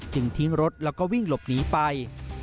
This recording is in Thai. ทิ้งรถแล้วก็วิ่งหลบหนีไป